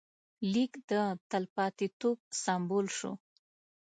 لیک د تلپاتېتوب سمبول شو.